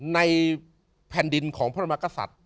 ในแผ่นดินของพระมากษัตริย์